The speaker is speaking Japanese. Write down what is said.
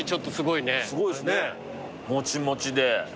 もちもちで。